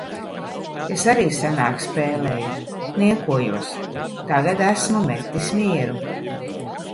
Es arī senāk spēlēju. Niekojos. Tagad esmu metis mieru.